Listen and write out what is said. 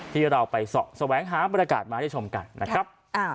ที่เราไปแสวงหาบรรยากาศมาได้ชมกันนะครับ